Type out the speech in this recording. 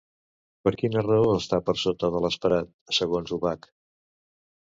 Per quina raó està per sota de l'esperat, segons Ubach?